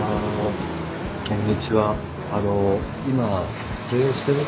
こんにちは。